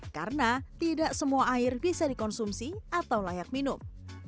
karena tidak semua air bisa dikonsumsi atau layak minum